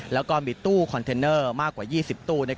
แล้วก็มีตู้คอนเทนเนอร์มากกว่า๒๐ตู้